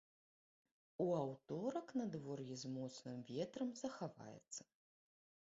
У аўторак надвор'е з моцным ветрам захаваецца.